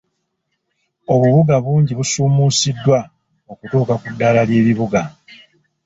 Obubuga bungi busuumuusiddwa okutuuka ku ddaala ly'ebibuga.